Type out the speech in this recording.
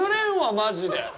マジで。